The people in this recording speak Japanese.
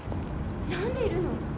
何でいるの？